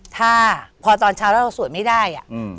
ถ้าพอตอนเช้าแล้วเราสวดไม่ได้